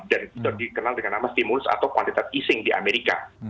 dan itu dikenal dengan nama stimulus atau kuantitas easing di amerika